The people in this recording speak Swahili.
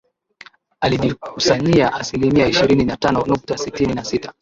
alijikusanyia asilimia ishirini na tano nukta sitini na sita